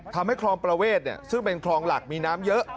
ทำให้คลองประเวทซึ่งเป็นคลองหลักมีน้ำเยอะ